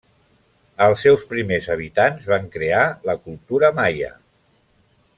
Els seus primers habitants van crear la cultura maia.